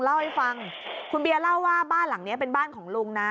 เล่าให้ฟังคุณเบียร์เล่าว่าบ้านหลังนี้เป็นบ้านของลุงนะ